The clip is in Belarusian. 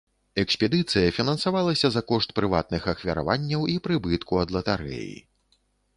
Экспедыцыя фінансавалася за кошт прыватных ахвяраванняў і прыбытку ад латарэі.